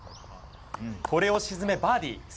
これを沈め、バーディー。